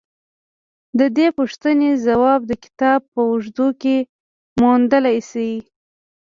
د دې پوښتنې ځواب د کتاب په اوږدو کې موندلای شئ